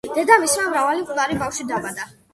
დედამისმა მრავალი მკვდარი ბავშვი დაბადა.